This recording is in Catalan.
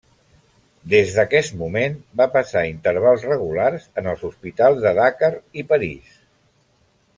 Des d'aquest moment va passar intervals regulars en els hospitals de Dakar i París.